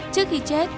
trước khi chết